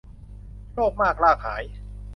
โลภมากลาภหาย